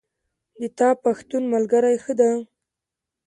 د تا پښتون ملګری ښه ده